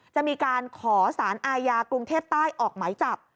จะมีการขอสารอาญากรุงเทพใต้ออกหมายจับ